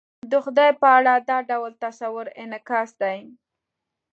د خدای په اړه دا ډول تصور انعکاس دی.